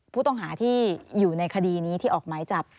ผู้ต้องหาที่อยู่ในคดีนี้ที่ออกหมายจับ